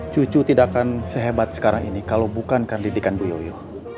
cucu tidak akan sehebat sekarang ini kalau bukan kan lidikan bu yoyo